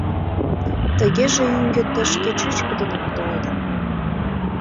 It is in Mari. Тыгеже ӱҥгӧ тышке чӱчкыдынак толеда.